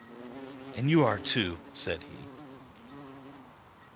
"And you are, too," said he.